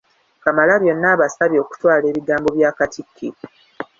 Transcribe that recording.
Kamalabyonna abasabye okutwala ebigambo bya Katikkiro.